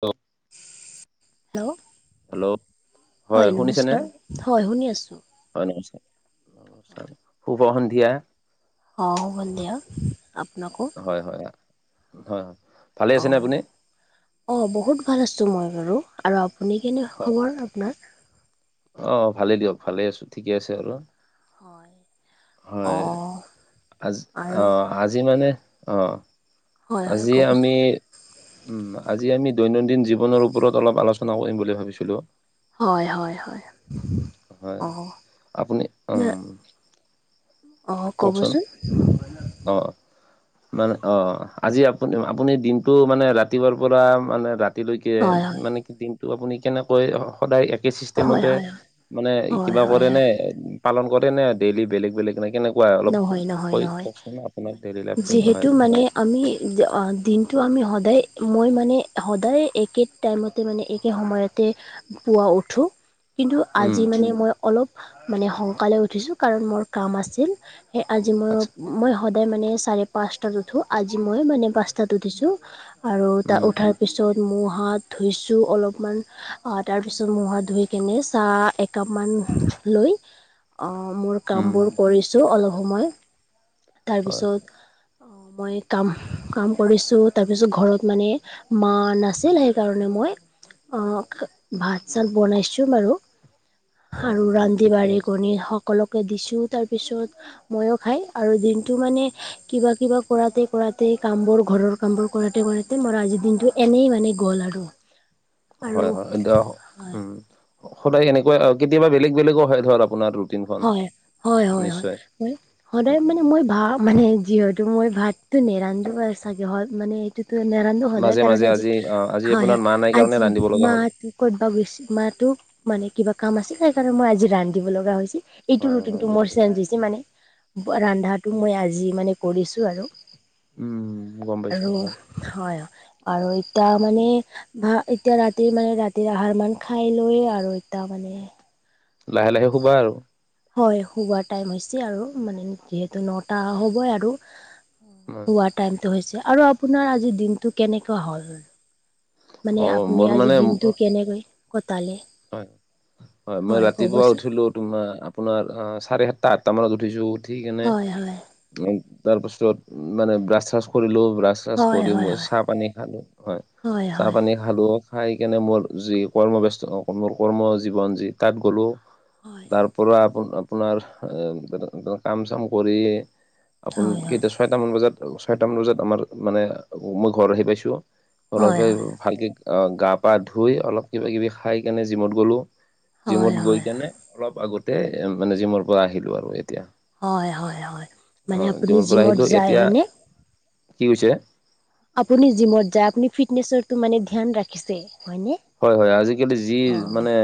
অ' hello হয় নমস্কাৰ হয় শুনি আছো। হয়, নমস্কাৰ। শুভ সন্ধিয়া। অ', শুভ সন্ধিয়া আপোনাকো। হয় হয় হয় হয় ভালে আছেনে অ' আপুনি অ', বহুত ভাল আছো মই বাৰু, আৰু আপুনি কেনে হয় খবৰ আপোনাৰ? অ', ভালে দিয়ক, ভালে আছো। ঠিকে আছে আৰ। হয় অ হয় আজি অ আৰু আজি মানে অ, হয় হয় আজি ক'বচোন আমি উম। আজি আমি দৈনন্দিন জীৱনৰ ওপৰত অলপ আলোচনা কৰিম বুলি ভাবিছিলো। হয় হয় হয় হয় অ আপুনি উম অঁ কওকচোন ক'বচোন অ মানে অঁ আজি আপ আপুনি দিনটো মানে ৰাতিপুৱাৰ পৰা মানে ৰাতি ৰাতিলৈকে হয় হয় মানে কি দিনটো আপুনি কেনেকৈ সদায় একে চিষ্টেম হয় হয় হয় হিচাপ মতে হয় কিবা হয় কৰে হয় নে পালন কৰে নে ডেইলি বেলেগ বেলেগ না কেনে কোৱা অলপ নহয় নহয় কৈ নহয় কওকচোন আপোনাৰ ডেইলী লাইফটো যিহেতু হয় মানে আমি দিনটো আমি সদায় মই মানে সদায় একে টাইম মতে মানে, একে সময়তে পুৱা উঠোঁ। কিন্তু উম আজি মানে মই অলপ মানে সংকালে উঠিছোঁ কাৰণ মোৰ কাম আছিল। সেই আজি মই আচ্ছা মই সদায় মানে চাৰে পাঁচটাত উঠো। আজি মই মানে পাঁচটাত উঠিছোঁ। আৰু তাত উম উঠাৰ পিছত মূখ হাত ধুইছোঁ অলপমান অ তাৰ পিছত মূখ হাত ধুই কেনে চাহ একাপমান লৈ অ মোৰ উম কামবোৰ কৰিছোঁ অলপ সময় হয় তাৰপিছত মই কাম কাম কৰিছোঁ তাৰপিছত ঘৰত মানে মা নাছিল সেইকাৰণে মই অঁ ভাত চাত বনাইছোঁ বাৰু হয় আৰু হয় হয় ৰান্ধি ঠিকে বাঢ়ি আছে কৰি সকলোকে দিছো তাৰপিছত তাৰ পিছত ময়ো খাই আৰু দিনটো মানে কিবা কিবা কৰাতে কৰাতে কাম বোৰ ঘৰৰ কাম বোৰ কৰাতে কৰাতে মোৰ আজিৰ দিনটো এনেই মানে গ'ল আৰু অ [unintelligible] আৰু হয় হয় এতিয়া হয় সদায় এনেকুৱা কেতিয়াবা বেলেগ বেলেগ হয় ধৰ আপোনাৰো হয় হয় হয় হয় মানে সদায় উম মানে মই ভা মানে যিহত মই ভাতটো নেৰান্ধো চাগে মানে নেৰান্ধো সদায় মাজে কাৰণ মাজে আজি অ আজি হয় আপোনাৰ হয় মা নাই কাৰণে আজি ৰান্ধিব লগা মা হ'ল ক'তবা গৈছে মাতো মানে কিবা কাম আছিল সেইকাৰণে মই আজি ৰান্ধিব লগা হৈছিল এইটো হয় হয় ৰুটিনটো বুজি মোৰ পাইছো চেঞ্জ হৈছে মানে ৰান্ধাটো মই আজি মানে কৰিছোঁ আৰু উম গম পাইছো আৰু হয় হয় আৰু এতিয়া মানে ভা এতিয়া ৰাতি মানে ৰাতিৰ আহাৰ মান খাই লৈয়ে আৰু এতিয়া মানে লাহে লাহে শুবা আৰু হয় শুৱাৰ টাইম হৈছে আৰু মানে যিহেতু নটা হ'বই আৰু শুৱাৰ টাইমটো হৈছে আৰু আপোনাৰ আজিৰ দিনটো কেনেকুৱা হল মানে অ আপুনি মোৰ আজি মানে দিনটো কেনেকৈ কটালে হয় হয় মই ৰাতিপুৱা উঠিলো তোমাৰ আপোনাৰ চাৰে সাতটা আঠটা মানত উঠিছো। উঠি কেনে হয় হয় তাৰপাছত মানে ব্ৰাছ থ্ৰাছ কৰিলো ব্ৰাছ ব্ৰাচ থ্ৰাচ হয় কৰি হয় মই চাহ পানী খালো হয় চাহ পানী খালো খাই কেনে মোৰ যি কৰ্মব্যস্ত মোৰ কৰ্ম জীৱন যি তাত গ'লো হয় তাৰ পৰা আপ আপোনাৰ এ কাম চাম কৰি। আপোন হয় কেইটা ছয়টা মান বজাত ছয়টা মান বজাত আমাৰ মানে মই ঘৰ আহি পাইছো। হয় হয় হয় হয় অলপে ভালকে গা পা ধুই অলপ কিবা কিবি খাই কেনে জিমত গলো। জিমত হয় গৈ কেনে অলপ আগতে মানে জিমৰ পৰা আহিলো আৰু এতিয়া হয় হয় হয় মানে অ' আপুনি জিমৰ পৰা জিমত আহিলো যায় এতিয়া হয়নে কি কৈছে। আপুনি জিমত যায় আপুনি ফিটনেচটো মানে ধ্যান ৰাখিছে হয়নে হয় হয় আজিকালি যি মানে অ'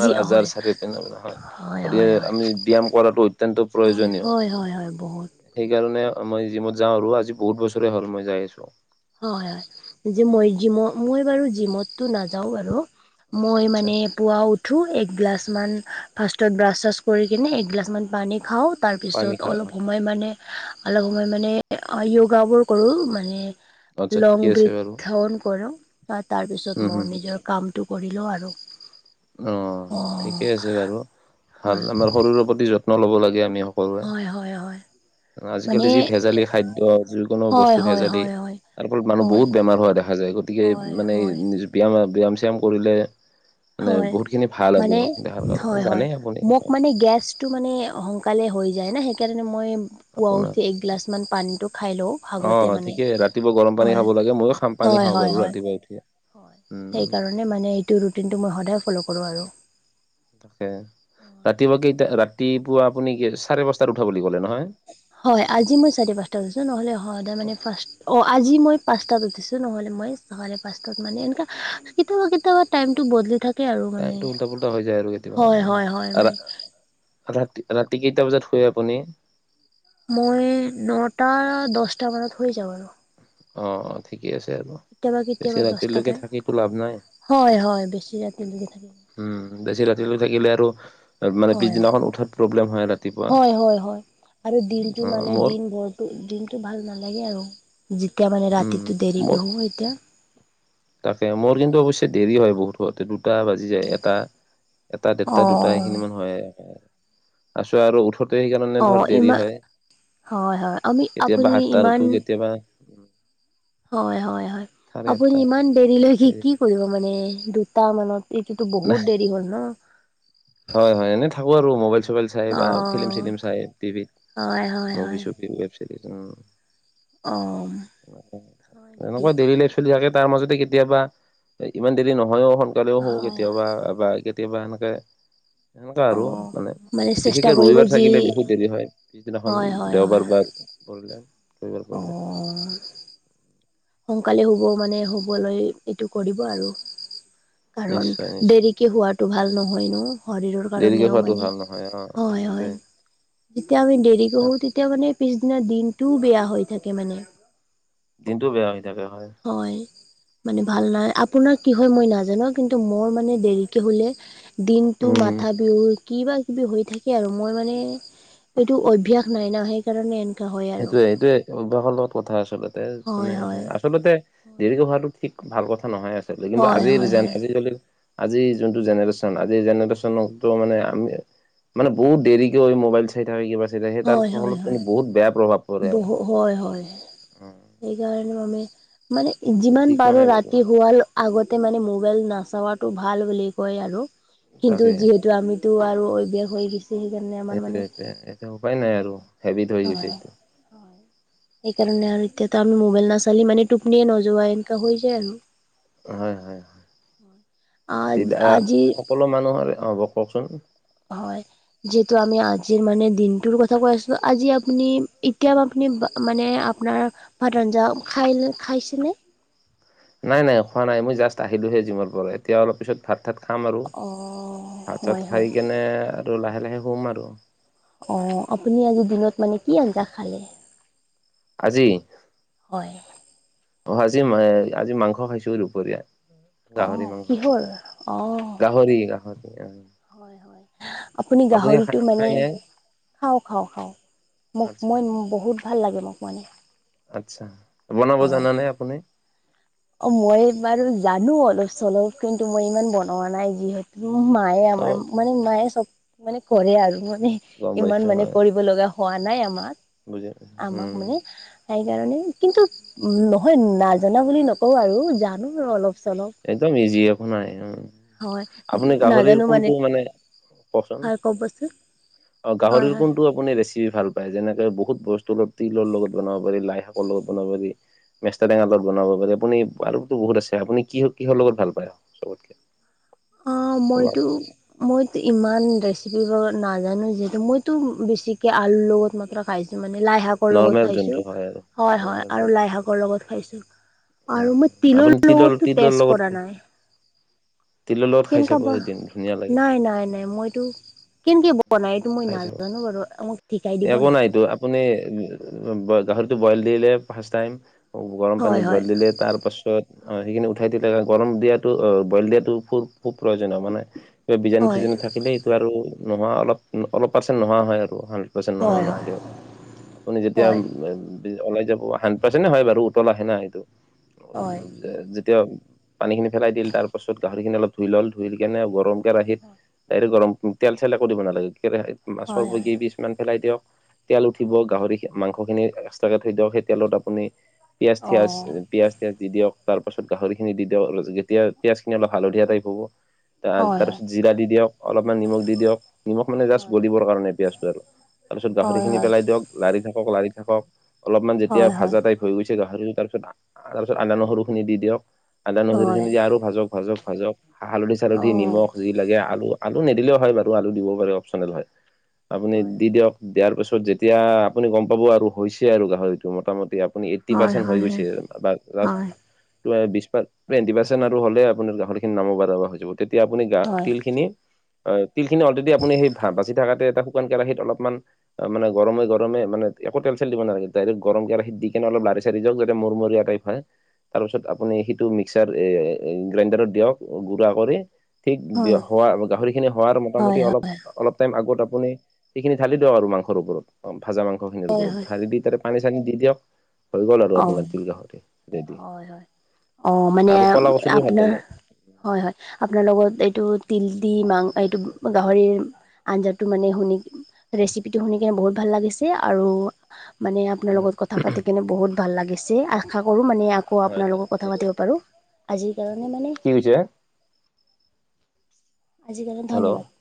জি আজাৰ হয় চাৰিও পিনে মানে হয় গতিকে হয় হয় আমি ব্যায়াম কৰাতো অত্যন্ত হয় প্ৰয়োজনীয় হয় হয় হয় বহুত সেইকাৰণে মই যিমত যাও আৰু আজি বহুত বছৰে হ'ল মই যাই আছো হয় হয় যে মই জিম মই বাৰু জিমতটো নাযাও বাৰু আচ্ছা মই আচ্ছা মানে পুৱা উঠো একগিলাচমান ফাৰ্ষ্টত ব্ৰাছ চাছ কৰি কিনে একগিলাচমান পানী খাও পানী তাৰপিছত খাই আহা অলপ সময় মানে অলপ সময় মানে য়োগাবোৰ কৰো মানে আচ্ছা লং ঠিকে আছে বাৰু। বৃদ্ধন কৰো তা তাৰ উম পিছত হুম মই হুম নিজৰ কামটো কৰি লও আৰু অ ঠিকে আছে বাৰু ভাল হয় আমাৰ শৰীৰৰ প্ৰতি যত্ন ল'ব লাগে আমিও হয় হয় হয় মানে আজিকালি যি ভেজালি খাদ্য যিকোনো হয় বস্তু হয় ভেজালি হয় হয় তাৰ ফলত মানুহ হয় বহুত বেমাৰ হোৱা দেখা যায় গতিকে হয় মানে এই হয় নিজেও ব্যায়াম ব্যায়াম শ্যায়াম কৰিলে মানে হয় বহুত খিনি ভাল আৰু দেহাৰ কাৰণে জানেই আপুনি গেছ টো মানে সোনকালে হৈ যায় না সেইকাৰণে মই পোৱা আপোনাৰ উঠি একগিলাচ মান পানীটো খাই লও অ ভাগতে মানে ঠিকে ৰাতিপুৱা গৰম পানী হয় খাব লাগে ময়ো খাম পানী খাাব বাৰু ৰাতিপুৱাই উঠিয়ে সেই উম শকাৰণে মানে এইটো ৰুটিনটো মই সদায় ফ'ল' কৰো আৰু তাকে ৰাতিপুৱা কেইটা ৰাতিপুৱা আপুনি কি চাৰে পাঁচটাত উঠা বুলি ক'লে নহয় হয় আজি মই চাৰি পাঁচটা উঠিছো নহ'লে হয় সদায় মানে ফাৰ্ষ্ট অ আজি মই পাঁচটাত উঠিছো নহলে মই চাৰে পাঁচটা মানত এনেকা কেতিয়াবা কেতিয়াবা টাইম বদলি থাকে আৰু মানে টাইমটো উল্টা পুল্টা হৈ যায় আৰু কেতিয়াবা হয় উম হয় হয় আৰু মানে ৰা ৰাতি কেইটা বজাত শুয়ে আপুনি মই নটা দহটা মানত শুই যাও আৰু অ অ ঠিকে আছে আৰু কেতিয়াবা বেছি কেতিয়াবা ৰাতিলৈকে দহটাতে থাকিতো লাভ নাই হয় হয় বেছি ৰাতিলৈকে থাকিব উম বেছি ৰাতিলৈ থাকিলে আৰু মানে হয় হয় পিছদিনাখন উঠাত প্ৰব্লেম হয় ৰা হয় হয় হয় আৰু দিনটো অ মানে মোৰ দিন বৰতো দিনটো ভাল নালাগে আৰু যেতিয়া মানে উম ৰাতিটো দেৰিকে মোৰ হ'ব এতিয়া তাকে মোৰ কিন্তু অৱশ্যে দেৰি হয় বহুত দুটা বাজি যায় এটা এটা অ ডেৰটা দুটা এইখিনি মান হয় তাৰপিছত আৰু উঠোতে সেইকাৰণে অ ধৰ দেৰি ইমান হয় হয় হয় আমি কেতিয়াবা আপুনি সাতটাত ইমান উঠো কেতিয়াবা হয় হয় হয় চাৰে আপুনি আঠটা ইমান দেৰিলৈ কি দেৰি কি হয় কৰিব মানে দুটা মানত এইটোতো নাই বহুত দেৰি হ'ল ন হয় হয় এনে থাকো আৰু মোবাইল চবাইল চাই অ বা ফিলিম চিলিম চাই টিভিত হয় হয় হয় অ হয় নেকি এনেকোৱা দেৰিলে চলি থাকে তাৰ মাজতে কেতিয়াবা ইমান দেৰি নহয়ও সোনকালেও শুও হয় কেতিয়াবা বা একে কেতিয়াবা এনেকে এনেকা অ আৰু মানে চেষ্টা বিশেষকে কৰিব ৰবিবাৰ যি থাকিলে বহুত দেৰি হয় পিছদিনাখন হয় হয় হয় দেওবাৰ বা কৰিলে কেইবাৰ অ'। কৰিলে সোনকালে শুব মানে শুবলৈ এইটো কৰিব আৰু। কাৰণ নিশ্চয় নিশ্চয় দেৰিকে শুৱাটো ভাল নহয় ন শৰীৰৰ দেৰিকে কাৰণেও খোৱাটো মানে। ভাল অ নহয় হয় হয় সেইটোৱে। যেতিয়া আমি দেৰিকৈ শু তেতিয়া মানে পিছদিনা দিনটোও বেয়া হৈ থাকে মানে। দিনটো বেয়া হৈ থাকে হয়। হয়। মানে ভাল নাই, আপোনাৰ কি হয় মই নাজানো কিন্তু মোৰ মানে দেৰিকৈ শুলে দিনটো উম মাথা বিষ কিবা কিবি হৈ থাকে আৰু মই মানে এইটো অভ্যাস নাই না সে- কাৰণে এনেকা হয়। আৰু সেইটোয়ে এটোয়ে অভ্যাসৰ লগত কথা আচলতে মানে হয়। আচলতে দেৰিকৈ হোৱাটো ঠিক ভাল কথা নহয় আচলতে কিন্তু হয় আজিৰ হয় হয় জেন হয় আজিকালিৰ আজিৰ যোনটো জেনেৰেশ আজিৰ জেনেৰেশনত মানে আমি মানে বহুত দেৰিকৈ মোবাইল চাই থকা কিবা চাই থাকে তাৰ হয় হয় ফলত হয় কিন্তু বহুত বেয়া প্ৰভাৱ পৰে এটা। বহু হয় হয় সেইকাৰণে মানে মানে যিমান ঠিক পাৰো নহয় বাইদেউ ৰাতি শুৱাল আগতে মানে মোবাইল নাচোৱাটো ভাল বুলি কয় আৰু কিন্তু তাকে যিহেতু আমি টো আৰু অভ্যাস হৈ গৈছে সেইকাৰণে আমাৰ সেইটোৱে মানে [unintelligible] উপায় নাই আৰু হেবিত হৈ গৈছে হয় এইটো তাকে। তেতান মোবাইল নাচালি মানে টোপনিয়ে নোযোৱা এনেকা হৈ যায় আৰু। হয় হয় দিবা আজি সকলো মানুহৰে হ'ব, কওকচোন? হয়। যিহেতু আমি আজিৰ মানে দিনটোৰ কথা কৈ আছো। আজি আপুনি এতিয়া আপুনি বা মানে আপোনাৰ ভাত ৰাঞ্জাঅ খাইলেন খাইছেনে? নাই নাই খোৱা নাই মই জাষ্ট আহিলোহে জিমৰ পৰা, এতিয়া অলপ পিছত ভাত ঠাত খাম আৰু অ ভাত হয় চাত হয় খাই কেনে আৰু লাহে লাহে শুম আৰু। অ আপুনি আজি দিনত মানে কি আঞ্জা খালে? আজি? হয়। অ আজি মাই আজি মাংস খাইছো দুপৰীয়া। গাহৰি অ' মাংস কিহৰ অ' গাহৰি গাহৰি এহ। হয় হয় আপুনি গাহৰিটো মানে খাইনে খাওঁ খাওঁ খাওঁ মোক আচ্ছা মই বহুত ভাল লাগে মোক মানে। আচ্ছা, বনাব অ' জানা নে আপুনি? অ মই বাৰু জানো অলপ চলপ কিন্তু মই ইমান বনোৱা নাই যিহেত- মো মায়ে আমাৰ অ' মানে মায়ে চব মানে কৰে আৰু মানে। গম পাইছো ইমান মানে হয় কৰিব লগা হোৱা নাই আমাক। বুজি আমাক উম, মানে সেইকাৰণে কিন্তু নহয় নাজানা বুলি নকওঁ আৰু জানো আৰু অলপ চলপ। একদম ইজি একো নাই, উম। হয় আপুনি গাহৰিৰ কোনটো মানে পচন হয় ক'বচোন অ হয় গাহৰিৰ হয় কোনটো আপ- পুনি ৰেচেপি ভাল পায় যেনেকে বহুত বস্তু অলপ তিলৰ লগত বনাব পাৰি, লাই শাকৰ লগত বনাব পাৰি। মেষ্টা টেঙাৰ লগত বনাব পাৰি। আপুনি আৰুতো বহুত আছে আপুনি কি কিহৰ লগত ভাল পায় চবতকে? অ মইতো মইতো ইমান ৰেচিপি নাজানো যিহেতু মইতো বেছিকে আলুৰ লগত মাত্ৰ খাইছো মানে, লাই শাকৰ লগত নৰ্মেল খাইছো, যোনটো হয় আৰু হয়, হয় নৰ্মেল আৰু যোনটো। লাই শাকৰ লগত খাইছো। উম, আৰু মই তিলৰ আপুনি লগতো তিলৰ টেচ লগত কৰা খাই নাই। তিলৰ লগত খাই কেনেকা চাব বা এদিন। ধুনীয়া লাগে নাই, নাই, নাই, মইতো কেনেকে বনাই? এইটো মই খাই চাব। নাজানো বাৰু অ, মোক শিকাই দিব একো নে নাইতো আপুনি গাহৰিটো বইল দিলে, ফাৰ্ষ্ট টাইম গৰম হয় পানীত হয় দে, তাৰ পাছত অ, হয় সেইখিনি উঠাই দিলে, গৰম দিয়াটো অ, বইল দিয়াটো খুব প্ৰয়োজনীয় হয় মানে কিবা হয় বীজাণু-চিজানু থাকিলেই এইটো আৰু নোহোৱা, অলপ-অলপ পাছত নোহোৱা হয় আৰু উম, কৈছে নহয় হয় আৰু হয় নহয়, দিয়ক আপুনি যেতিয়া হয় [unintelligible] ওলাই যাব হান্ডেৰেটপাৰ্চেন্ট হয় বাৰু, উতল আহে না এইটো। হয়। যেতিয়া পানী খিনি ফেলাই দিল, তাৰ পাছত গাহৰি খিনি অলপ ধুই ল'ল, ধুই কেনে গৰম কেৰাহিত ডাইৰেক্ট গৰম তেল-চেল একো দিব নালাগে, হয় হয় হয় কেৰাহিত [inaudible] পেলাই দিয়ক, তেল উঠিব হয় গাহৰি মাংস মাংসখিনি একচটাকে থৈ দিয়ক, সেইতেলত আপুনি অঁ পিয়াজ-থিয়াজ পিয়াজ-থিয়াজ দি দিয়ক, তাৰপাছত গাহৰি খিনি দি দিয়ক, যেতিয়া পিঁয়াজ খিনি অলপ হালধীয়া টাইপ হ'ব। হয় হয় তাৰপিছত জিৰা দি দিয়ক, অলপমান নিমখ দি দিয়ক, নিমখ মানে হয় জাষ্ট গলিবৰ কাৰণে পিয়াজটো আৰু। তাৰ পিছত, হয় হয় গাহৰিখিনি পেলাই দিয়ক। লাৰি থাকক, লাৰি থাকক, অলপমান যেতিয়া হয় হয় ভাজা টাইপ হৈ গৈছে, গাহৰি তাৰপিছত তাৰপিছত আদা নহৰুখিনি দি দিয়ক, আদা হয় নহৰুখিনি দি আৰু ভাজক, ভাজক, ভাজক। অ হালধি-চালধি নিমখ যি লাগে, আলু, আলু নিদিলেও হয় বাৰু, আলু দিবও পাৰে অপচনেল হয়। আপুনি হয় হয়। দি দিয়ক, দিয়াৰ পিছত যেতিয়া আপুনি গম পাব আৰু হৈছে আৰু গাহৰিটো মোটামুটি নে, এইতটি হয় পাৰ্চেট হৈ গৈছে, হয় বা, যা হয় টো, বিছ পাৰ্চে, টুৱেন্টি পাৰ্চেন্ট আৰু হ'লেই আপোনাৰ গাহৰ খিনি নামাব পৰা বা, হৈ যাব। তেতিয়া আপুনি, গা- হয়। তিল খিনি অ, তিল খিনি অলৰেডদি আপুনি সেই, ভাজি বাচি, থকাতে এটা শুকান কেৰাহিত অলপমান অ, মান গৰমে গৰমে একো তেল-চেল দিব নেলাগে, ডাইৰেক গৰম কেৰাহিত দি কনে লাৰি-চাৰি দিয়ক, যতে মৰ-মৰিয়া [inaudible] তাৰপিছত আপুনি সেইটো মিক্সাৰ এ, গ্ৰাইণ্ডাৰত দিয়ক, গুড়া কৰি। ঠিক হয় হয় হোৱা, গাহৰি খিনি হোৱাৰ হয় হয় মোটামুটি অলপ অলপ টাইম আগত আপুনি, সেইখিনি ঢালি দিয়ক আৰু মাংসৰ ওপৰত, ভাজা মাংসখিনিৰ হয় ওপৰত, হয় ঢালি দি তাৰে পানী-চানী দি দিয়ক, হৈ গ'ল আৰু অ আপোনাৰ তিল গাহৰি। ৰেডি। হয়, হয়, অ, মানে আৰু কলা কচুটোও ভাল আপোনাৰ লাগে। হয়, হয়, আপোনাৰ লগত এইটো তিল দি, মাং, এইটো গাহৰিৰ আঞ্জাটো মানে শুনি, ৰেচিপিটো শুনি কিনে, বহুত ভাল লাগিছে আৰু মানে আপোনাৰ হয়। লগত কথা পাতি কিনে বহুত ভাল লাগিছে, আশা কৰো মানে আকৌ হয় হয়, আপোনালোকক কথা পাতিব পাৰোঁ, আজিৰ কাৰণে মানে কি হৈছে? আজিকাৰণে হেল্ল'। ধন্যবাদ।